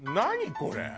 これ。